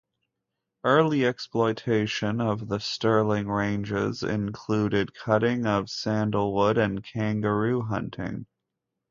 Early exploitation of the Stirling Ranges included cutting of sandalwood and kangaroo hunting.